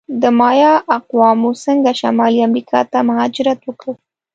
د مایا اقوامو څنګه شمالي امریکا ته مهاجرت وکړ؟